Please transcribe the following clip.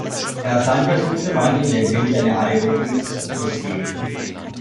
Erst dann versuchte man in dem Bild eine Allegorie zu sehen.